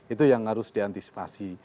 itu yang harus diantisipasi